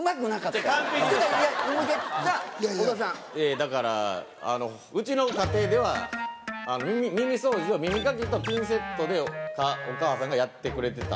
だからうちの家庭では耳掃除を耳かきとピンセットでお母さんがやってくれてたんですよ。